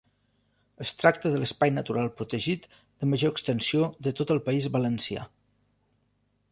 Es tracta de l'Espai Natural Protegit de major extensió de tot el País Valencià.